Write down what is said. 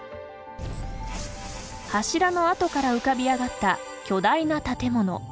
柱の跡から浮かび上がった巨大な建物。